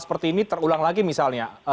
seperti ini terulang lagi misalnya